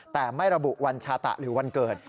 แต่ไม่ระบุวันชาตะหรือวันเกิด